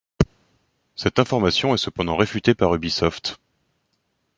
Cette information est cependant réfutée par Ubisoft.